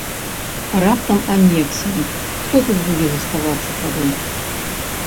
А раптам анексія, хто тут будзе заставацца тады?